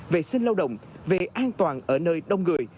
vệ sinh lao động về an toàn ở nơi đông người